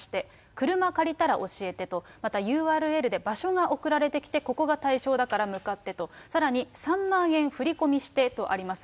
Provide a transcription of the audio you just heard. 車借りたら教えてと、またＵＲＬで場所が送られてきて、ここが対象だから向かってと、さらに３万円振り込みしてとあります。